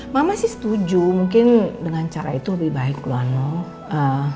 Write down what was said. mama sih setuju mungkin dengan cara itu lebih baik loano